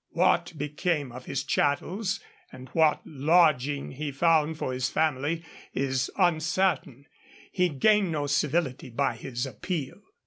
What became of his chattels, and what lodging he found for his family, is uncertain; he gained no civility by his appeal.